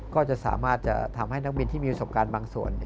ก็จะสามารถจะทำให้นักบินที่มีประสบการณ์บางส่วน